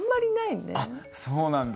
そうなんだ。